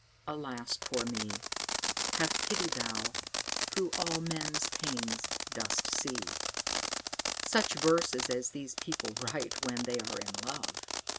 Alas, poor me! Have pity Thou, who all men's pains dost see." Such verses as these people write when they are in love!